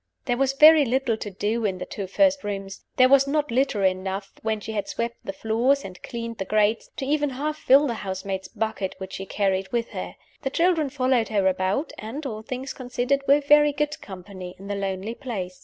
There was very little to do in the two first rooms. There was not litter enough, when she had swept the floors and cleaned the grates, to even half fill the housemaid's bucket which she carried with her. The children followed her about; and, all things considered, were "very good company" in the lonely place.